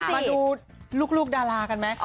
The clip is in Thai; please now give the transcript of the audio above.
มาดูลูกดารากันไหม